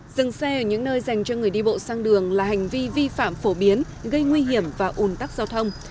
dừng xe ở những nơi dành cho người đi bộ sang đường là hành vi vi phạm phổ biến gây nguy hiểm và ủn tắc giao thông